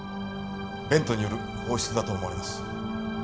ベントによる放出だと思われます。